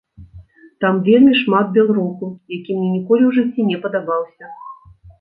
Там вельмі шмат белроку, які мне ніколі ў жыцці не падабаўся.